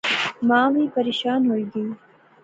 ما وی پریشان ہوئی گئی